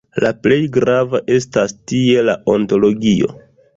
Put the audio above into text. La plej grava estas tie la ontologio.